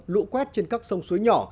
lũ quét trên các sông suối nhỏ